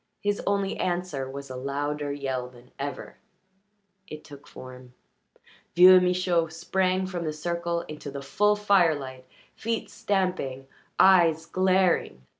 His only answer was a louder yell than ever. It took form. Vieux Michaud sprang from the circle into the full firelight, feet stamping, eyes glaring.